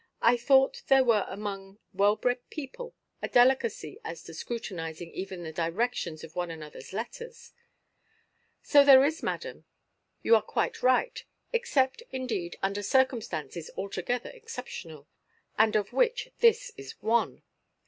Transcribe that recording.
I thought there was among well–bred people a delicacy as to scrutinizing even the directions of one anotherʼs letters." "So there is, madam; you are quite right—except, indeed, under circumstances altogether exceptional, and of which this is one.